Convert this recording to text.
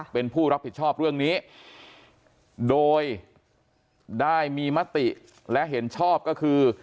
เป็นผู้รับผิดชอบเรื่องนี้โดยได้มีมติและเห็นชอบก็คือ